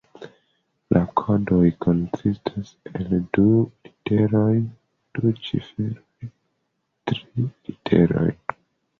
La kodoj konsistas el du literoj, du ciferoj, tri literoj.